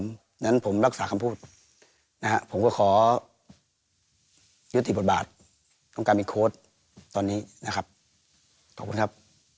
เพราะฉะนั้นผมรักษาคำพูดนะฮะผมก็ขอยุติบทบาทต้องการเป็นโค้ดตอนนี้นะครับขอบคุณครับ